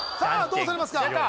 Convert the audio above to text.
どうされますか？